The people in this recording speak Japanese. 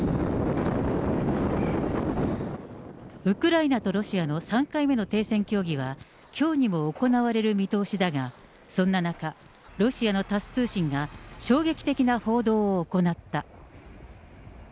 ウクライナとロシアの３回目の停戦協議は、きょうにも行われる見通しだが、そんな中、ロシアのタス通信が、衝撃的な報道を行った。